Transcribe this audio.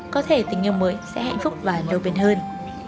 có thể tình yêu mới sẽ hạnh phúc và lâu bền hơn